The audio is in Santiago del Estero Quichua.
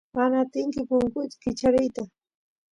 mana atinki punkut kichariyta